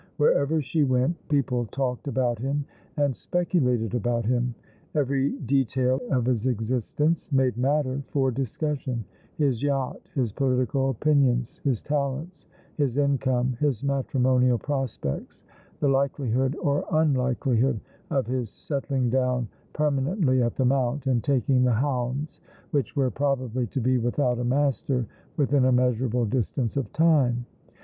Wherever she went people talked about him and speculated about him. Every detail of his existence made matter for discussion ; his yacht, his political opinions, his talents, his income, his matrimonial prospects, the likelihood or nnhkelihood of his settling down per manently at the Mount, and taking the hounds, which were probably to be without a master within a measurable distance of time.